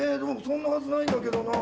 そんなはずないんだけどな。